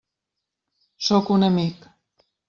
Sóc un amic.